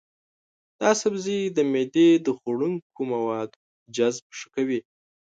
دا سبزی د معدې د خوړنکي موادو جذب ښه کوي.